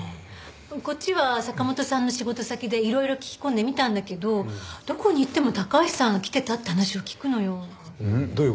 こっちは坂本さんの仕事先でいろいろ聞き込んでみたんだけどどこに行っても高橋さんが来てたって話を聞くのよ。